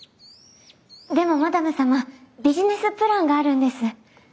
でもマダム様ビジネスプランがあるんです。